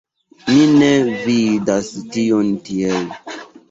Mi ne vidas tion tiel.